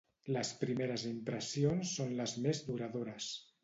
Les primeres impressions són les més duradores.